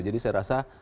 jadi saya rasa